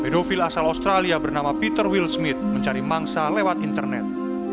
pedofil asal australia bernama peter will smith mencari mangsa lewat internet